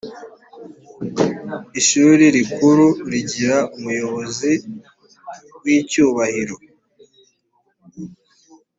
ishuri rikuru rigira umuyobozi w icyubahiro